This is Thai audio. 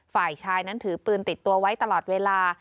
ฝ่ายชายนั้นถือปืนติดตัวไว้ตลอดเวลา